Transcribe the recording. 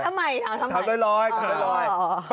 ถามทำไมถามด้วยรอย